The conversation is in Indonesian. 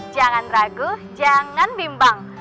jangan ragu jangan bimbang